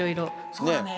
そうだね。